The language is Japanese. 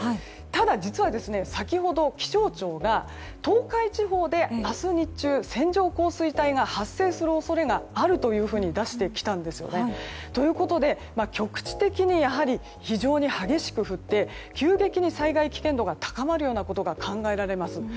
ただ、実は先ほど気象庁が東海地方で明日日中、線状降水帯が発生する恐れがあるというふうに出してきたんですよね。ということで、局地的にやはり非常に激しく降って急激に災害危険度が高まるようなことが考えられます。